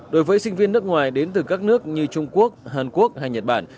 đối với sinh viên nước ngoài đến từ các nước như trung quốc hàn quốc hay nhật bản